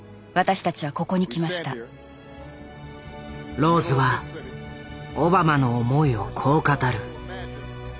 ローズはオバマの思いをこう語る。